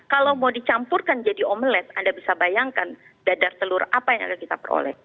kalau mau dicampurkan jadi omelette anda bisa bayangkan dadar telur apa yang akan kita peroleh